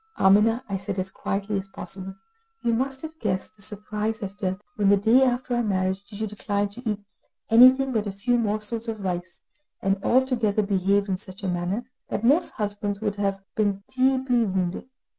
"Amina," I said, as quietly as possible, "you must have guessed the surprise I felt, when the day after our marriage you declined to eat anything but a few morsels of rice, and altogether behaved in such a manner that most husbands would have been deeply wounded.